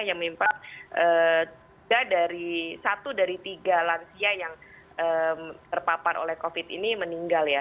yang mimpang satu dari tiga lansia yang terpapar oleh covid ini meninggal ya